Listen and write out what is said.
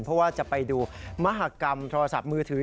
เพราะว่าจะไปดูมหากรรมโทรศัพท์มือถือ